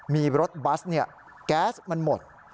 มีรถบัสแก๊สมันหมด